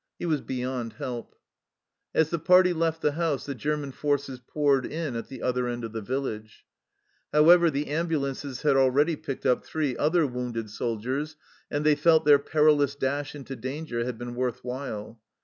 He was beyond help. As the party left the house the German forces poured in at the other end of the village. However, the ambulances had already picked up three other wounded soldiers, and they felt their perilous dash into danger had been worth while.